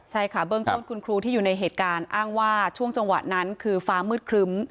ใช่ค่ะเบื้องต้นคุณครูที่อยู่ในเหตุการณ์อ้างว่าช่วงจังหวะนั้นคือฟ้ามืดครึ้ม